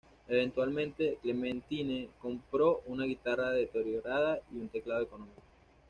Eventualmente, Clementine compró una guitarra deteriorada y un teclado económico.